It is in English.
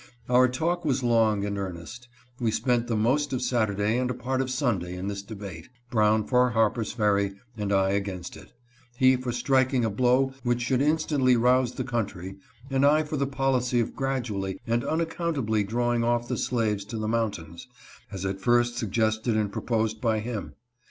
Our talk was long and earnest ; we spent the most of Saturday and a part of Sunday in this debate — Brown for Harper's Fer ry, and I against it ; he for striking a blow which should instantly rouse the country, and I for the policy of grad ually and unaccountably drawing off the slaves to the mountains, as at first suggested and proposed by him.